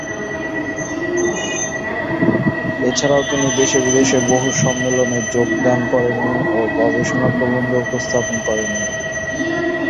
এছাড়াও তিনি দেশে-বিদেশে বহু সম্মেলনে যোগদান ও গবেষণা প্রবন্ধ উপস্থাপন করেছেন।